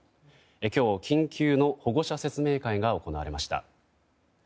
今日、緊急の保護者説明会が行われました。